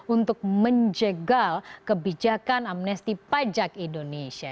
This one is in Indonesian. untuk menjegal kebijakan amnesti pajak indonesia